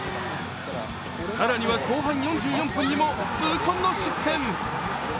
更には後半４４分にも痛恨の失点。